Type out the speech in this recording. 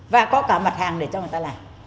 và có cả mặt hàng để cho người ta làm